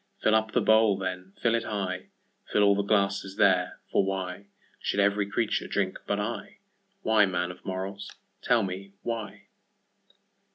Fill up the bowl, then, fill it high, Fill all the glasses there—for whyShould every creature drink but I?Why, man of morals, tell me why?